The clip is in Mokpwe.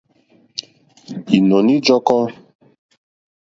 Ìnɔ̀ní ǃjɔ́kɔ́.